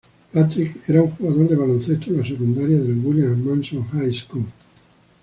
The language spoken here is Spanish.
Patrick era un jugador de baloncesto en la secundaria en William Mason High School.